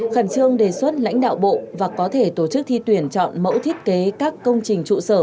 khẩn trương đề xuất lãnh đạo bộ và có thể tổ chức thi tuyển chọn mẫu thiết kế các công trình trụ sở